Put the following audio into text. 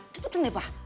cepetin deh pa